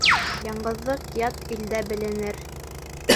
Яңғыҙлыҡ ят илдә беленер.